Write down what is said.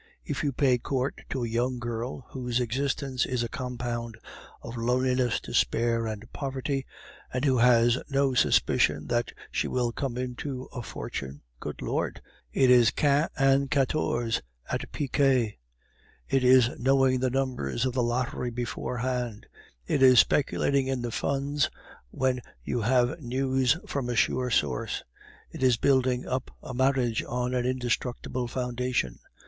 If you pay court to a young girl whose existence is a compound of loneliness, despair, and poverty, and who has no suspicion that she will come into a fortune, good Lord! it is quint and quatorze at piquet; it is knowing the numbers of the lottery before hand; it is speculating in the funds when you have news from a sure source; it is building up a marriage on an indestructible foundation.